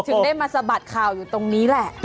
ถึงได้มาสะบัดข่าวอยู่ตรงนี้แหละ